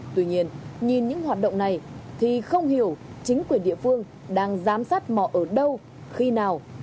tuy nhiên nhìn những hoạt động này thì không hiểu chính quyền địa phương đang giám sát mỏ ở đâu khi nào